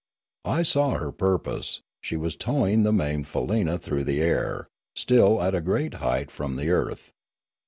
I saw her purpose: she was towing the maimed faleena through the air, still at a great height from the earth.